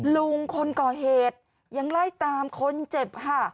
ลุงคนก่อเหตุยังไล่ตามคนเจ็บค่ะ